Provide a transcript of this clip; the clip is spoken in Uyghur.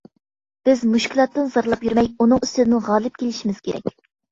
بىز مۈشكۈلاتتىن زارلاپ يۈرمەي، ئۇنىڭ ئۈستىدىن غالىب كېلىشىمىز كېرەك.